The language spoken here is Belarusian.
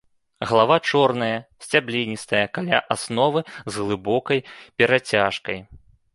Галава чорная, сцябліністая, каля асновы з глыбокай перацяжкай.